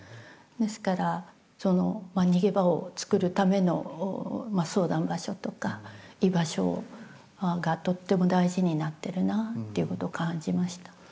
ですからその逃げ場をつくるための相談場所とか居場所がとっても大事になってるなっていうことを感じました。